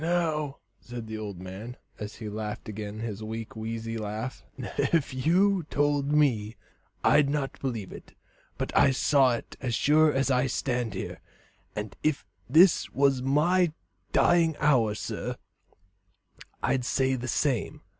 "Now," said the old man, and he laughed again his weak, wheezy laugh, "if you told me, I'd not believe it; but I saw it as sure as I stand here, and if this was my dying hour, sir, I'd say the same.